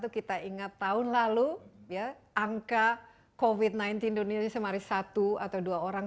kita ingat tahun lalu angka covid sembilan belas di indonesia mari satu atau dua orang